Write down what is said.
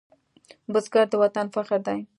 بزګر د وطن فخر دی